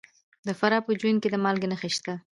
د فراه په جوین کې د مالګې نښې شته.